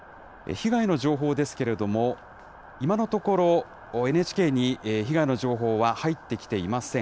被害の情報ですけれども、今のところ、ＮＨＫに被害の情報は入ってきていません。